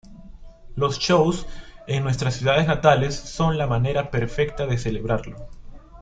Los shows en nuestras ciudades natales son la manera perfecta de celebrarlo.